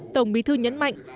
tổng bí thư nhấn mạnh